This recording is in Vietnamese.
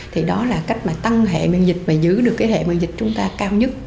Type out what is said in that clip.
thì đó là cách tăng hệ miệng dịch và giữ được hệ miệng dịch chúng ta cao nhất